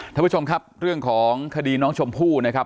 ท่านผู้ชมครับเรื่องของคดีน้องชมพู่นะครับ